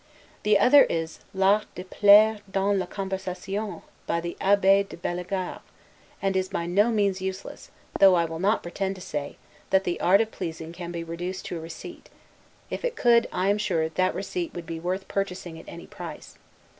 The other is, 'L'Art de plaire dans la Conversation', by the Abbe de Bellegarde, and is by no means useless, though I will not pretend to say, that the art of pleasing can be reduced to a receipt; if it could, I am sure that receipt would be worth purchasing at any price.